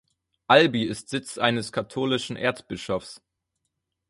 Albi ist Sitz eines katholischen Erzbischofs.